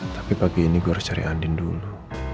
tapi pagi ini gue harus cari adin dulu